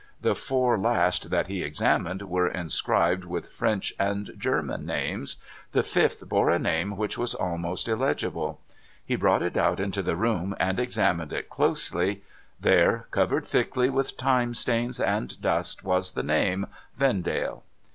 The four first that he examined, were inscribed with French and German names. The fifth bore a name which was almost illegible. He brought it out into the room, and examined it closely. There, covered thickly with time stains and dust, was the name : 'Vendale.'